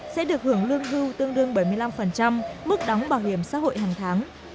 sẽ được hưởng lương hưu tương đương bảy mươi năm mức đóng bảo hiểm xã hội hàng tháng